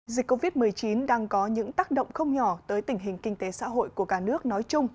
dịch covid một mươi chín đang có những tác động không nhỏ tới tình hình kinh tế xã hội của cả nước nói chung